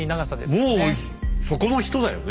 もうそこの人だよね。